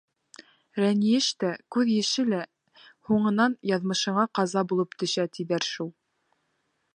Рәнйеш тә, күҙ йәше лә һуңынан яҙмышыңа ҡаза булып төшә, тиҙәр шул.